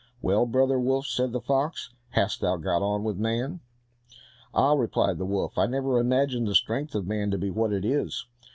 "Well, brother wolf," said the fox, "how hast thou got on with man?" "Ah!" replied the wolf, "I never imagined the strength of man to be what it is!